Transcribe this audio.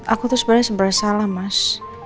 aku tuh sebenarnya salah mas